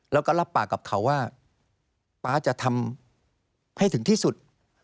แล้วก็รับปากกับเขาว่าป๊าจะทำให้ถึงที่สุด